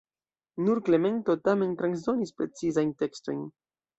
Nur Klemento tamen transdonis precizajn tekstojn.